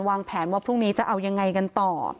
วางแผนว่าพรุ่งนี้จะเอายังไงกันต่อ